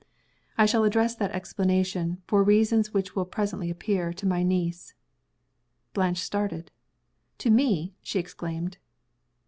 I shall address that explanation, for reasons which will presently appear, to my niece." Blanche started. "To me!" she exclaimed.